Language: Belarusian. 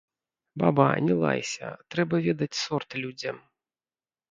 Баба, не лайся, трэба ведаць сорт людзям.